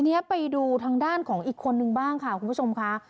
ทีนี้ไปดูทางด้านของอีกคนนึงบ้างค่ะคุณผู้ชมค่ะ